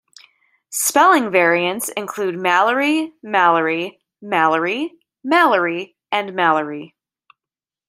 Spelling variants include Mallary, Mallery, Malorie, Mallorie, and Mallorey.